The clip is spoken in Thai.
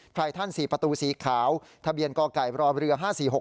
ไททัน๔ประตูสีขาวทะเบียนกไก่รอเรือ๕๔๖